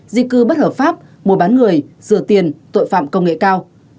di cư bất hợp pháp mùa bán người dừa tiền tội phạm công nghệ cao